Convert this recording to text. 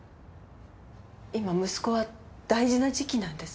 今息子は大事な時期なんです。